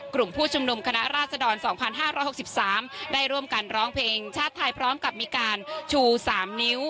กลุ่มผู้ชุมนุมคณะราชดร๒๕๖๓ได้ร่วมกันร้องเพลงชาติไทยพร้อมกับมีการชู๓นิ้ว